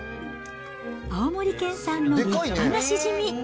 青森県産の立派なシジミ。